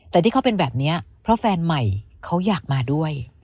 แต่ที่เขาเป็นแบบนี้เพราะแฟนใหม่เขาอยากมาด้วย